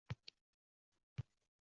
Aqalli manovi suvni ichvolgin